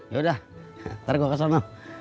ya sudah nanti saya ke sana